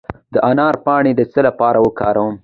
د انار پاڼې د څه لپاره وکاروم؟